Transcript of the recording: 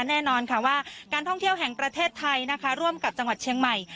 แน่นอนค่ะว่าการท่องเที่ยวแห่งประเทศไทยนะคะร่วมกับจังหวัดเชียงใหม่